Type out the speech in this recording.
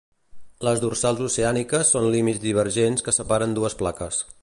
Les dorsals oceàniques són límits divergents que separen dues plaques.